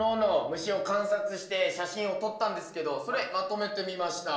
虫を観察して写真を撮ったんですけどそれまとめてみました。